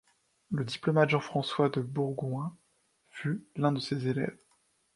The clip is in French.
Le diplomate Jean-François de Bourgoing fut l'un de ses élèves.